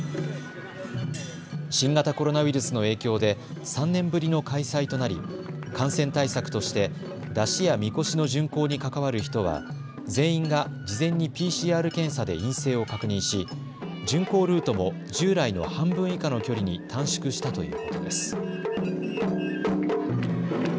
新型コロナウイルスの影響で３年ぶりの開催となり感染対策として山車やみこしの巡行に関わる人は全員が事前にＰＣＲ検査で陰性を確認し巡行ルートも従来の半分以下の距離に短縮したということです。